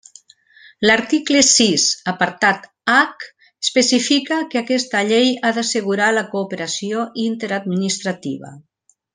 L'article sis apartat hac especifica que aquesta llei ha d'assegurar la cooperació interadministrativa.